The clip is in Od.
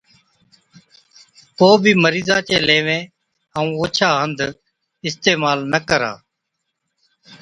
ڪوبِي مرِيضا چين ليوين ائُون اوڇا هنڌ اِستعمال نہ ڪرا ،